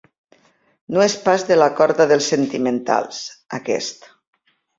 No és pas de la corda dels sentimentals, aquest.